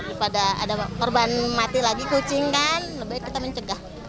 daripada ada korban mati lagi kucing kan lebih baik kita mencegah